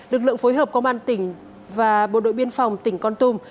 lực lượng phối hợp công an tỉnh và bộ đội biên phòng tỉnh con tum